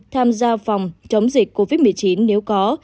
tham gia phòng chống dịch covid một mươi chín nếu có